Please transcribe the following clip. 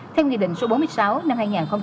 theo nghị định số bốn mươi sáu năm hai nghìn một mươi